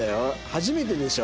初めてでしょ？